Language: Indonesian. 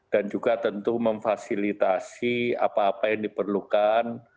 dan juga tentu memfasilitasi apa apa yang diperlukan